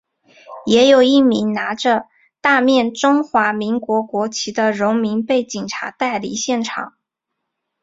也有一名拿着大面中华民国国旗的荣民被警察带离现场。